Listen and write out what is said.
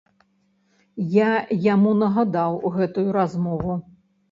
Я яму нагадаў гэтую размову.